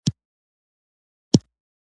مېلمنو د ماريا د ازادۍ حيراني وکړه.